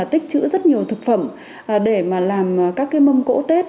tích chữ rất nhiều thực phẩm để làm các mâm cỗ tết